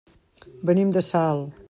Venim de Salt.